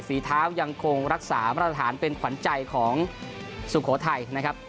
ฝีเท้ายังคงรักษามาตรฐานเป็นขวัญใจของสุโขทัยนะครับ